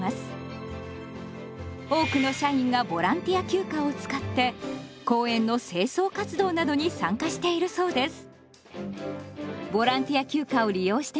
多くの社員がボランティア休暇を使って公園の清掃活動などに参加しているそうです。